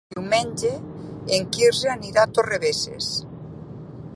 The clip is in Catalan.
Diumenge en Quirze anirà a Torrebesses.